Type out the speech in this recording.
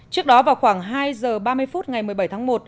trước đó vào khoảng hai giờ ba mươi phút ngày một mươi bảy tháng một